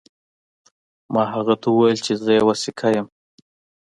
ما هغه ته وویل چې زه یو سیکه یم.